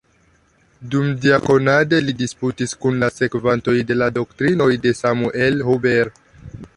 Dumdiakonade li disputis kun la sekvantoj de la doktrinoj de Samuel Huber.